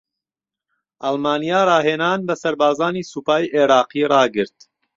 ئەڵمانیا راھێنان بە سەربازانی سوپای عێراقی راگرت